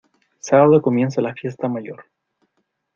Sábado comienza la Fiesta Mayor.